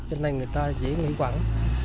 cho nên người ta dễ nghỉ quẳng